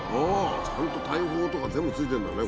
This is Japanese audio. ちゃんと大砲とか全部ついてんだね